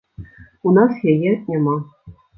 У нас яе няма.